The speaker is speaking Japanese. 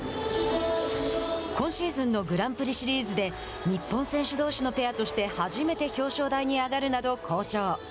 今シーズンのグランプリシリーズで日本選手どうしのペアとして初めて表彰台に上がるなど好調。